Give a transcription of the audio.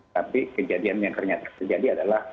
tapi kejadian yang ternyata terjadi adalah